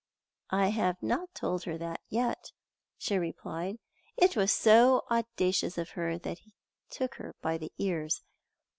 "I have not told her that yet!" she replied. It was so audacious of her that he took her by the ears.